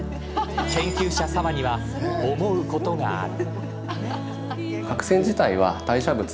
研究者、澤には思うことがある。